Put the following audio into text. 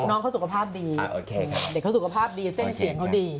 น้องเขาสุขภาพดีเด็กเขาสุขภาพดีเส้นเสียงเขาดี